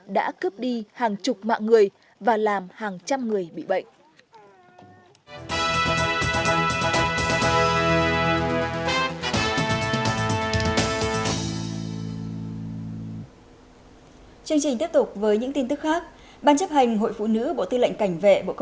đã cướp đi hàng chục mạng người và làm hàng trăm người bị bệnh